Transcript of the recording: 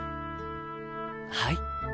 はい。